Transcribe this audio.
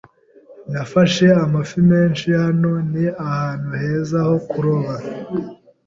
Nafashe amafi menshi hano. Ni ahantu heza ho kuroba.